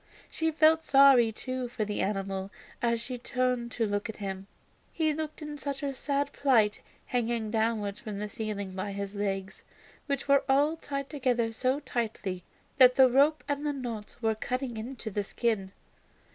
She felt sorry, too, for the animal as she turned to look at him. He looked in such a sad plight hanging downwards from the ceiling by his legs, which were all tied together so tightly that the rope and the knots were cutting into the skin.